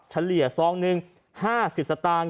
เฉลี่ยซองหนึ่ง๕๐สตางค์